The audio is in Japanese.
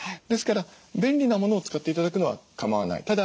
ですから便利なものを使って頂くのは構わない。